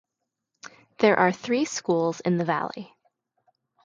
There are three schools in the valley.